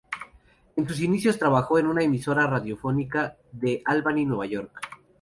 En sus inicios trabajó en una emisora radiofónica de Albany, Nueva York.